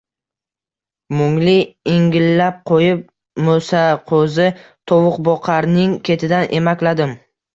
Mungli ingillab qo‘yib, Mo‘saqo‘zi tovuqboqarning ketidan emakladim